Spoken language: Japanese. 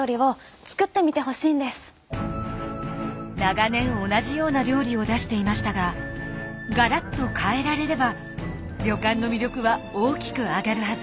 長年同じような料理を出していましたがガラッと変えられれば旅館の魅力は大きく上がるはず。